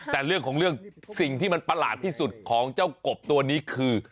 แต่เรื่องของเรื่องสิ่งที่มันประหลาดที่สุดของเจ้ากบตัวนี้คือ